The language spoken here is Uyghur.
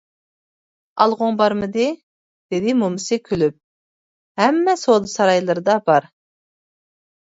ئالغۇڭ بارمىدى؟ دېدى مومىسى كۈلۈپ، ھەممە سودا سارايلىرىدا بار!